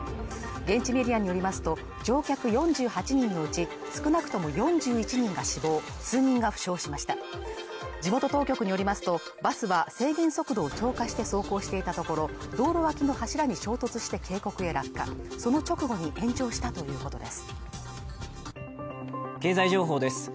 現地メディアによりますと乗客４８人のうち少なくとも４１人が死亡数人が負傷しました地元当局によりますとバスは制限速度を超過して走行していたところ道路脇の柱に衝突して渓谷へ落下その直後に延長したということです